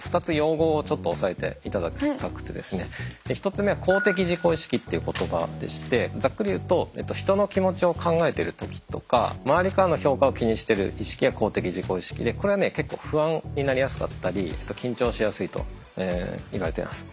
１つ目は公的自己意識っていう言葉でしてざっくり言うと人の気持ちを考えてる時とか周りからの評価を気にしてる意識が公的自己意識でこれはね結構不安になりやすかったり緊張しやすいといわれています。